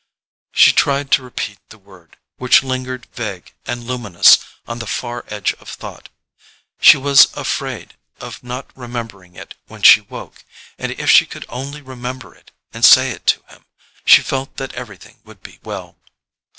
She tried to repeat the word, which lingered vague and luminous on the far edge of thought—she was afraid of not remembering it when she woke; and if she could only remember it and say it to him, she felt that everything would be well.